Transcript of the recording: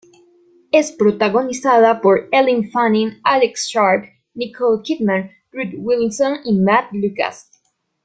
Es protagonizada por Elle Fanning, Alex Sharp, Nicole Kidman, Ruth Wilson, y Matt Lucas.